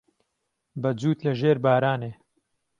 بە جووت لە ژێر بارانێ